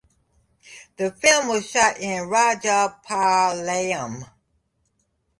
The film was shot in Rajapalayam.